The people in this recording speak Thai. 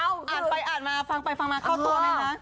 อ้าวอ่านไปอ่านมาฟังไปฟังไปเข้าตัวเลยนะ